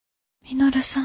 稔さん。